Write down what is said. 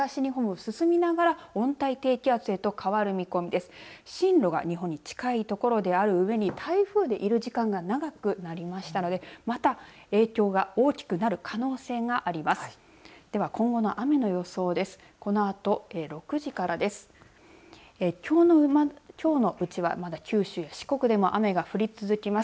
進路が日本に近いところであるうえに台風でいる時間が長くなりましたので、また影響が大きくなる可能性があります。